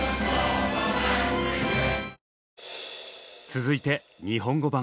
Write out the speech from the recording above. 続いて日本語版。